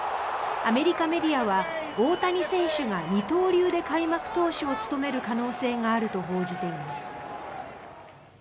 アメリカメディアは大谷選手が二刀流で開幕投手を務める可能性があると報じています。